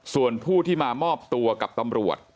ส่วนผู้ที่มามอบตัวกับตำรวจ